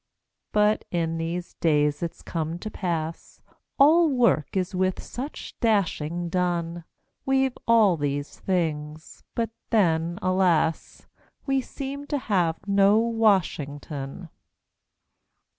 But in these days it's come to pass, All work is with such dashing done, We've all these things, but then, alas We seem to have no Washington!